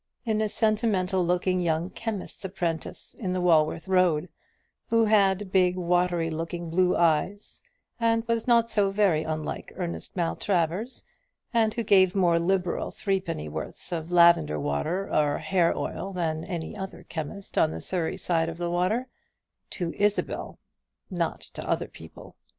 in a sentimental looking young chemist's apprentice in the Walworth Road, who had big watery looking blue eyes, and was not so very unlike Ernest Maltravers, and who gave more liberal threepenny worths of lavender water or hair oil than any other chemist on the Surrey side of the water to Isabel! not to other people!